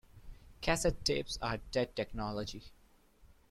Cassette tapes are dead technology.